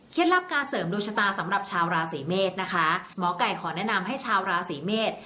ลับการเสริมดวงชะตาสำหรับชาวราศีเมษนะคะหมอไก่ขอแนะนำให้ชาวราศีเมษ